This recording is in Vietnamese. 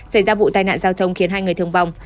xảy ra vụ tai nạn giao thông khiến hai người thương vong